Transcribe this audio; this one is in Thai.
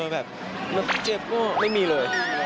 แบบเจ็บก็ไม่มีเลย